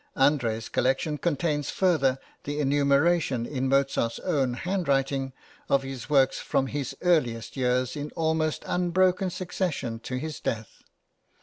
André's collection contains further the enumeration, in Mozart's own handwriting, of his works from his earliest years in almost unbroken succession to his death.